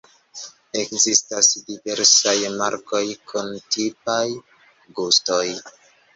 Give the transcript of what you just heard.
Ekzistas diversaj markoj kun tipaj gustoj.